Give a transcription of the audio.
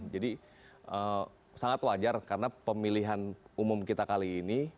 jadi sangat wajar karena pemilihan umum kita kali ini